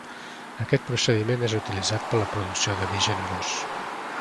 Aquest procediment és utilitzat per a la producció de vi generós.